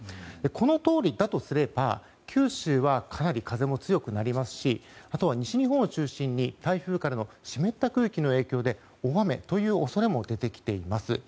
このとおりだとすれば、九州はかなり風も強くなりますしあとは西日本を中心に台風からの湿った空気の影響で大雨という恐れも出てきています。